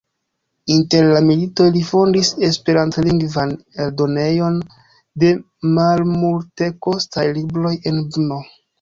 Inter la militoj li fondis esperantlingvan eldonejon de malmultekostaj libroj en Brno.